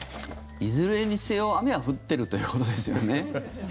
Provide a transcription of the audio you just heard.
いずれにせよ雨は降っているということですよね。